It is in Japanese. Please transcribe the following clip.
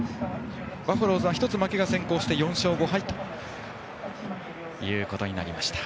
バファローズは１つ負けが先行して４勝５敗ということになりました。